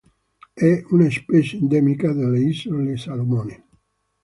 È una specie endemica delle isole Salomone.